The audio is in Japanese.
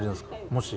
もし。